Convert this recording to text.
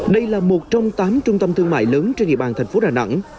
đây là một trong tám trung tâm thương mại lớn trên địa bàn thành phố đà nẵng